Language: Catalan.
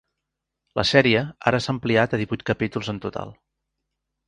La sèrie ara s'ha ampliat a divuit capítols en total.